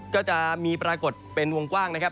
ก็จะมีปรากฏเป็นวงกว้างนะครับ